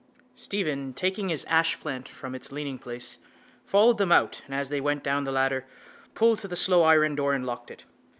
Stephen, taking his ashplant from its leaningplace, followed them out and, as they went down the ladder, pulled to the slow iron door and locked it.